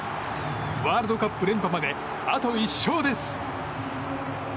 ワールドカップ連覇まであと１勝です。